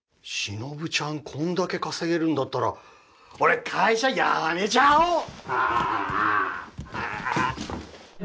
忍ちゃんこんだけ稼げるんだったら俺会社辞めちゃおう！